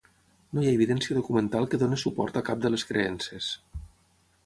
No hi ha evidència documental que doni suport a cap de les creences.